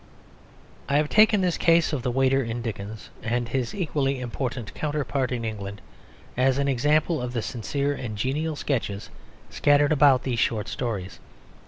I have taken this case of the waiter in Dickens and his equally important counterpart in England as an example of the sincere and genial sketches scattered about these short stories.